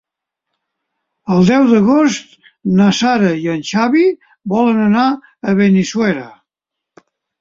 El deu d'agost na Sara i en Xavi volen anar a Benissuera.